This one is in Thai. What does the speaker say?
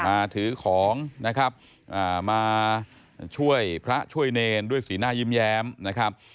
มาถือของนะครับอ่ามาช่วยพระช่วยเนรด้วยสีหน้ายิ้มแย้มนะครับ